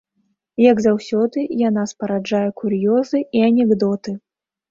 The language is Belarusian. Як заўсёды, яна спараджае кур'ёзы і анекдоты.